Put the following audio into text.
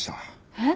えっ？